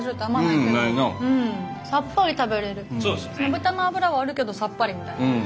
豚の脂はあるけどさっぱりみたいな。